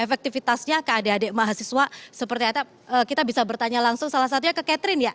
efektivitasnya ke adik adik mahasiswa seperti atap kita bisa bertanya langsung salah satunya ke catherine ya